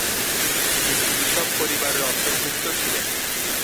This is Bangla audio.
তিনি কৃষক পরিবারের অন্তর্ভুক্ত ছিলেন।